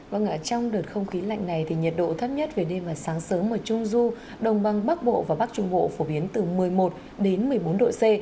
vâng ạ trong đợt không khí lạnh này thì nhiệt độ thấp nhất về đêm và sáng sớm ở trung du đồng băng bắc bộ và bắc trung bộ phổ biến từ một mươi một đến một mươi bốn độ c